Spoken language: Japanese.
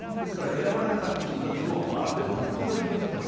選ばれなかった人たちもある程度、納得ができますよね。